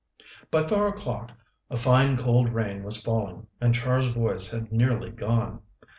By four o'clock a fine cold rain was falling, and Char's voice had nearly gone.